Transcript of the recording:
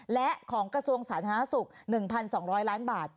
และของกระทรวงสาธารณสุข๑๒๐๐ล้านบาท